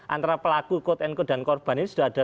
antara pelaku kode n kode dan korban ini sudah ada